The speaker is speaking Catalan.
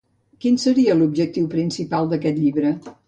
Quin seria l’objectiu principal d’aquest llibre?